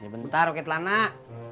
bentar oke telat nak